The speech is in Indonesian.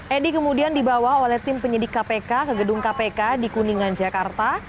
edi kemudian dibawa oleh tim penyidik kpk ke gedung kpk di kuningan jakarta